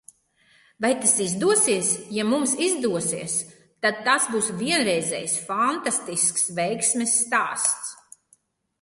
Vai tas izdosies? Ja mums izdosies – tad tas būs vienreizējs, fantastisks veiksmes stāsts.